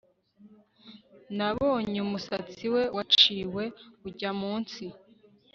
Nabonye umusatsi we waciwe ujya munsi